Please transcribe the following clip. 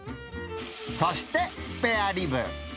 そしてスペアリブ。